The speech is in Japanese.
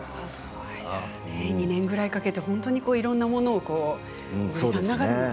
２年ぐらいかけて本当にいろんなものをね。